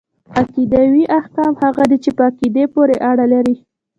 عقيدوي احکام هغه دي چي په عقيدې پوري اړه لري .